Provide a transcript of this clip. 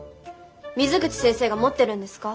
水口先生が持ってるんですか？